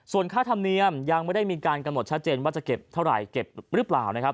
ส่วนค่าธรรมเนียมยังไม่ได้มีการกำหนดชัดเจนว่าจะเก็บเท่าไหร่เก็บหรือเปล่านะครับ